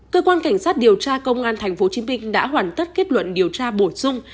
cơ quan cảnh sát điều tra công an tp hcm đã hoàn tất kết luận điều tra bổ sung